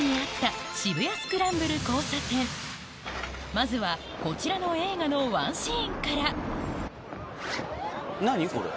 まずはこちらの映画のワンシーンから何これ。